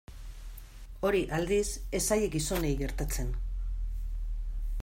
Hori, aldiz, ez zaie gizonei gertatzen.